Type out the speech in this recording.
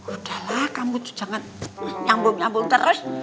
udah lah kamu jangan nyambung nyambung terus